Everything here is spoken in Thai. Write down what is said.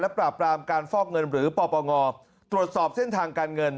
ปราบรามการฟอกเงินหรือปปงตรวจสอบเส้นทางการเงิน